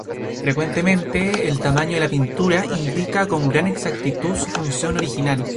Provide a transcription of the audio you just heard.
Frecuentemente, el tamaño de la pintura indica con gran exactitud su función original.